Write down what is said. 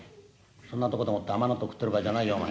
そんなとこでもって甘納豆食ってる場合じゃないよお前。